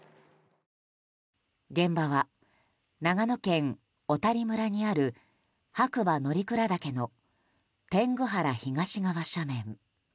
現場は長野県小谷村にある白馬乗鞍岳の天狗原東側斜面。